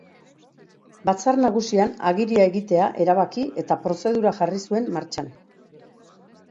Batzar Nagusian agiria egitea erabaki eta prozedura jarri zuen martxan.